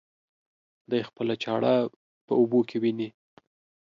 دى خپله چاړه په اوبو کې ويني.